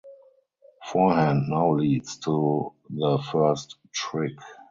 Forehand now leads to the first trick.